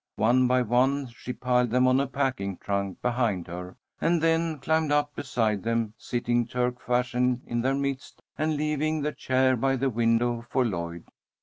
One by one she piled them on a packing trunk behind her, and then climbed up beside them, sitting Turk fashion in their midst, and leaving the chair by the window for Lloyd.